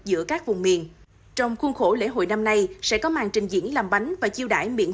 giữa các vùng miền trong khuôn khổ lễ hội năm nay sẽ có màn trình diễn làm bánh và chiêu đải miễn